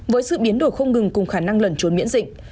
với sự biến đổi không ngừng cùng khả năng lẩn trốn miễn dịch